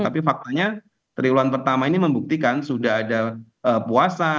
tapi faktanya triwulan pertama ini membuktikan sudah ada puasa